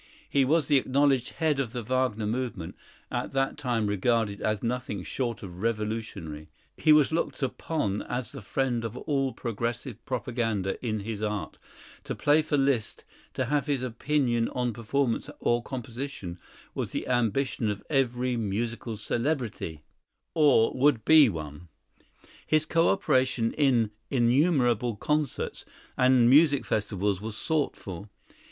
He was the acknowledged head of the Wagner movement, at that time regarded as nothing short of revolutionary; he was looked upon as the friend of all progressive propaganda in his art; to play for Liszt, to have his opinion on performance or composition, was the ambition of every musical celebrity, or would be one; his cooperation in innumerable concerts and music festivals was sought for.